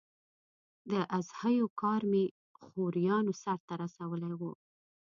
د اضحیو کار مې خوریانو سرته رسولی و.